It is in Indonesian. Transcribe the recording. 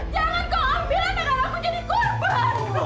jangan kau ambil anakku jadi korban